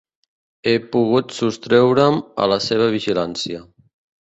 He pogut sostreure'm a la seva vigilància.